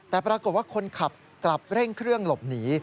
แต่ปรากฏว่าคนขับกลับเร่งเครื่องหลบหนี